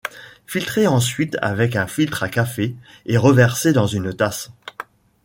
Filtrer ensuite avec un filtre à café et reverser dans une tasse.